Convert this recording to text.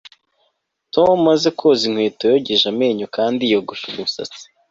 Tom amaze koza inkweto yogeje amenyo kandi yogosha umusatsi